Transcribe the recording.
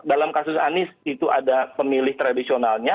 dalam kasus anies itu ada pemilih tradisionalnya